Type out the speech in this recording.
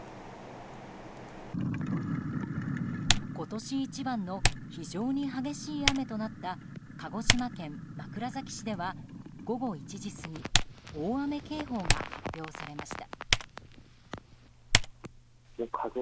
今年一番の非常に激しい雨となった鹿児島県枕崎市では午後１時過ぎ大雨警報が発表されました。